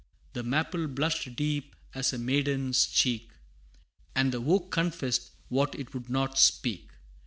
The maple blushed deep as a maiden's cheek, And the oak confessed what it would not speak.